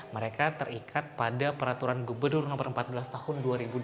mereka terikat pada peraturan gubernur no empat belas tahun dua ribu dua puluh